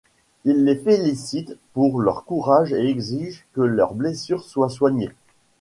Il les félicite pour leur courage et exige que leurs blessures soient soignées.